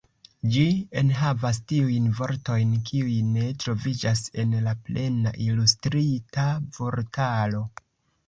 Ĝi enhavas tiujn vortojn kiuj ne troviĝas en la "Plena Ilustrita Vortaro".